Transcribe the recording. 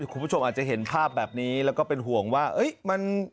คุณผู้ชมอาจจะเห็นภาพแบบนี้แล้วก็เป็นห่วงว่ามัน